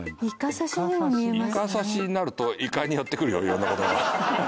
イカ刺しになるとイカに寄ってくるよ色んな事が。